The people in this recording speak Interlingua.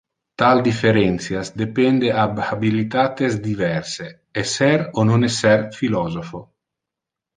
Tal differentias depende ab habilitates diverse: esser o non esser philosopho.